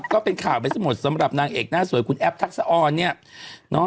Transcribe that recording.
ก็เป็นข่าวไปซะหมดสำหรับนางเอกหน้าสวยคุณแอบทักษะอ๋อน